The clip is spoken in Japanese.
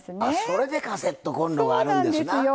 それでカセットコンロがあるんですな。